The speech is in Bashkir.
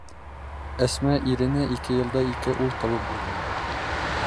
Әсмә иренә ике йылда ике ул табып бирҙе.